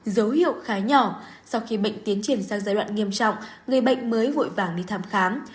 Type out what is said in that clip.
dấu hiệu khá nhỏ sau khi bệnh tiến triển sang giai đoạn nghiêm trọng người bệnh mới vội vàng đi thăm khám